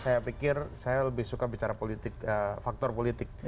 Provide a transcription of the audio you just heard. saya pikir saya lebih suka bicara politik faktor politik